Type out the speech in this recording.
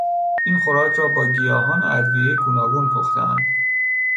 این خوراک را با گیاهان و ادویهی گوناگون پختهاند.